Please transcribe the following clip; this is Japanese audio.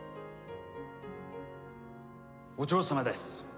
お嬢様です！